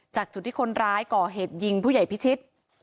จากจุดที่คนร้ายก่อเหตุยิงผู้ใหญ่พิชิต